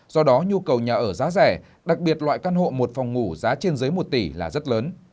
do đó nhu cầu nhà ở giá rẻ đặc biệt loại căn hộ một phòng ngủ giá trên dưới một tỷ là rất lớn